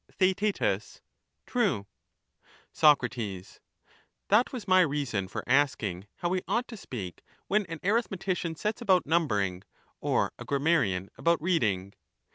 Theaet, True. Soc, That was my reason for asking how we ought to speak when an arithmetician sets about numbering, or a grammarian about reading